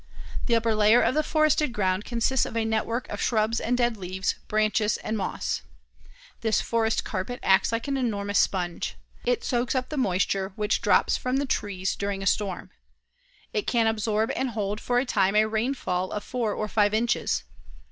The upper layer of the forested ground consists of a network of shrubs, and dead leaves, branches, and moss. This forest carpet acts like an enormous sponge. It soaks up the moisture which drops from the trees during a storm. It can absorb and hold for a time a rainfall of four or five inches.